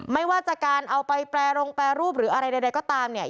ไม่ว่าจะการเอาไปแปรงแปรรูปหรืออะไรใดก็ตามเนี่ย